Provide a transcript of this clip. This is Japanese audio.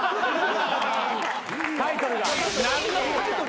タイトルが。